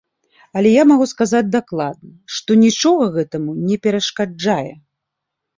Але я магу сказаць дакладна, што нічога гэтаму не перашкаджае.